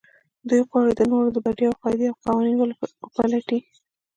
دوی غواړي د نورو د برياوو قاعدې او قوانين وپلټي.